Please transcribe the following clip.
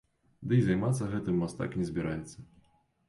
Дый займацца гэтым мастак не збіраецца.